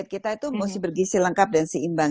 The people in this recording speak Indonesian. jadi kita itu mesti bergizi lengkap dan seimbang